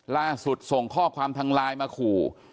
ล่าสุดส่งข้อความทางไลน์มาขู่